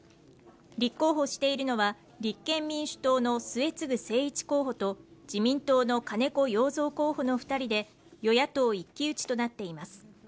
立候補しているのは、立憲民主党の末次精一候補と自民党の金子容三候補の２人で、与野党一騎打ちとなっています。